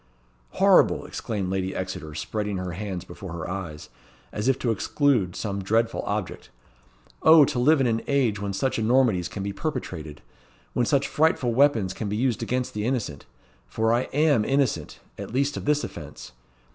"Horrible!" exclaimed Lady Exeter spreading her hands before her eyes, as if to exclude some dreadful object. "O to live in an age when such enormities can be perpetrated! when such frightful weapons can be used against the innocent for I am innocent, at least of this offence.